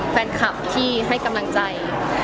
แฟนคลับที่ให้กำลังใจ